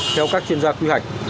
theo các chuyên gia tuy hạch